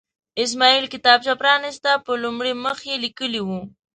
اسماعیل کتابچه پرانسته، په لومړي مخ یې لیکلي وو.